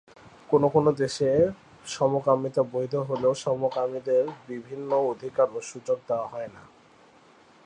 কোনো কোনো দেশে সমকামিতা বৈধ হলেও সমকামীদের বিভিন্ন অধিকার এবং সুযোগ দেওয়া হয়না।